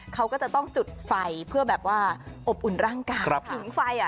เขาก็จะต้องจุดไฟเพื่อแบบว่าอบอุ่นร่างกายผิงไฟ